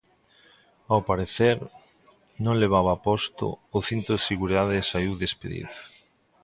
Ao parecer, non levaba posto o cinto de seguridade e saíu despedido.